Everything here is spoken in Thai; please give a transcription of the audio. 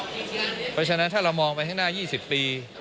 เพราะฉะนั้นถ้าเรามองไปข้างหน้า๒๐ปี